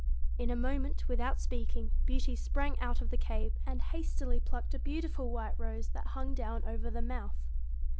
In a moment, without speaking, Beauty sprang out of the cave and hastily plucked a beautiful white rose that hung down over the mouth.